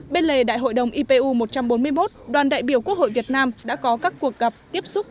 bên lề đại hội đồng ipu một trăm bốn mươi một đoàn đại biểu quốc hội việt nam đã có các cuộc gặp tiếp xúc